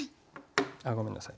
あっごめんなさい。